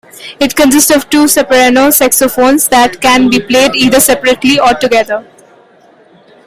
It consists of two soprano saxophones that can be played either separately or together.